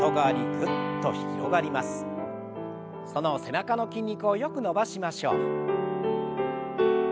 その背中の筋肉をよく伸ばしましょう。